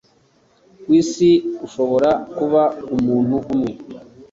Kwisi ushobora kuba umuntu umwe,